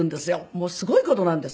もうすごい事なんです。